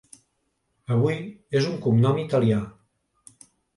Avui és un cognom italià.